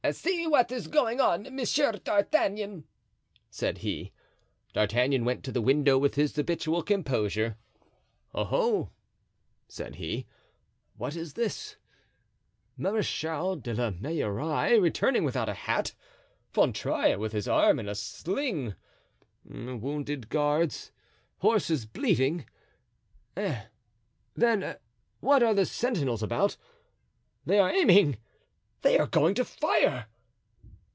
"See what is going on, Monsieur D'Artagnan," said he. D'Artagnan went to the window with his habitual composure. "Oho!" said he, "what is this? Marechal de la Meilleraie returning without a hat—Fontrailles with his arm in a sling—wounded guards—horses bleeding; eh, then, what are the sentinels about? They are aiming—they are going to fire!"